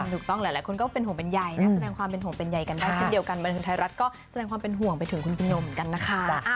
ถูกต้องหลายคนก็เป็นห่วงเป็นใยนะแสดงความเป็นห่วงเป็นใยกันได้เช่นเดียวกันบันทึงไทยรัฐก็แสดงความเป็นห่วงไปถึงคุณพี่โนเหมือนกันนะคะ